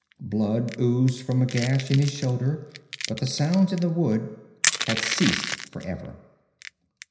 Blood oozed from a gash in his shoulder, but the sounds in the wood had ceased for ever.